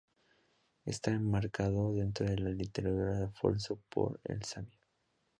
Está enmarcado dentro de la literatura de Alfonso X el Sabio.